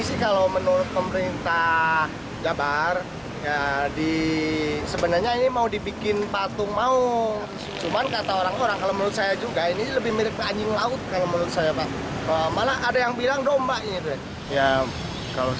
ekstetikasi bagus ya jadi memperindah kota